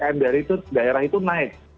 maka ptm nya tuh juga semakin dikurangi